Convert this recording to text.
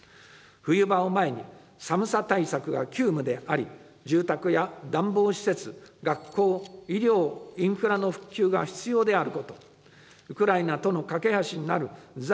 冬場を前に寒さ対策が急務であり、住宅や暖房施設、学校、医療、インフラの復旧が必要であること、ウクライナとの懸け橋になる在